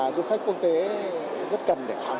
sẽ khôi phục hàng không